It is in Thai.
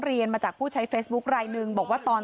มีชายแปลกหน้า๓คนผ่านมาทำทีเป็นช่วยค่างทาง